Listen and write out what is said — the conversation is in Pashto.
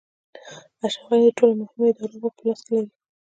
اشرف غني د ټولو مهمو ادارو واک په لاس کې لري.